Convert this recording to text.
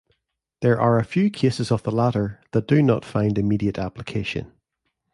There are few cases of the latter that do not find immediate application.